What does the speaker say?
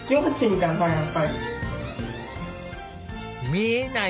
見えない